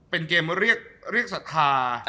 เป็นเกมที่เรียกศรภา